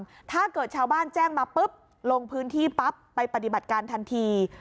ถ้าเกิดชาวบ้านแจ้งมาปุ๊บลงพื้นที่ปั๊บไปปฏิบัติการทันที